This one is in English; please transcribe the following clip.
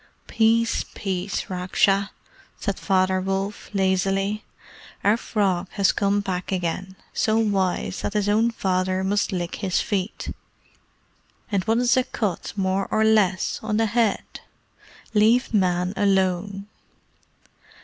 "Peace, peace, Raksha!" said Father Wolf, lazily. "Our Frog has come back again so wise that his own father must lick his feet; and what is a cut, more or less, on the head? Leave Men alone."